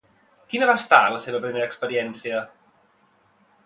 Quina va estar la seva primera experiència?